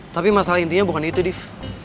tapi masalah intinya bukan itu div